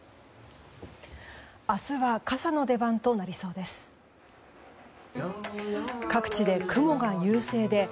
明日は傘の出番となりそうです。